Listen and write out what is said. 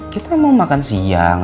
kita mau makan siang